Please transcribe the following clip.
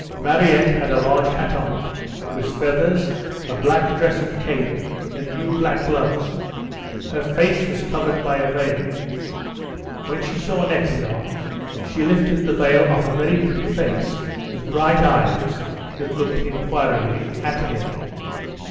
Mariette had a large hat on, with feathers, a black dress and cape, and new black gloves. Her face was covered by a veil. When she saw Nekhludoff she lifted the veil off a very pretty face with bright eyes that looked inquiringly at him.